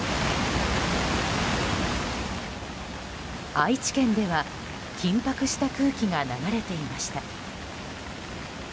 愛知県では緊迫した空気が流れていました。